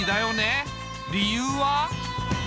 理由は。